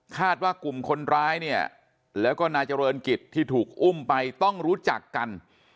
ว่ากลุ่มคนร้ายเนี่ยแล้วก็นายเจริญกิจที่ถูกอุ้มไปต้องรู้จักกัน